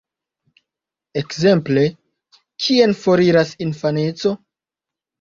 Ekzemple, "Kien foriras infaneco?